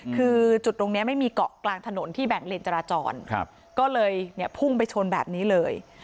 คือจุดตรงนี้ไม่มีเกาะกลางถนนที่แบ่งเลนจราจรก็เลยเนี่ยพุ่งไปชนแบบนี้เลย